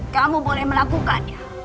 kamu boleh melakukannya